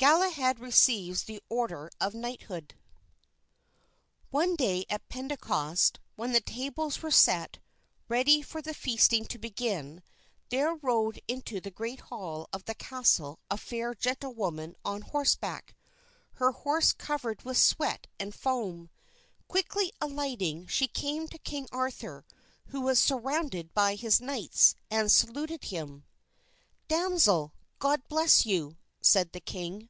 Galahad Receives the Order of Knighthood One day, at Pentecost, when the tables were set, ready for the feasting to begin, there rode into the great hall of the castle a fair gentlewoman on horseback, her horse covered with sweat and foam. Quickly alighting, she came to King Arthur, who was surrounded by his knights, and saluted him. "Damsel, God bless you," said the king.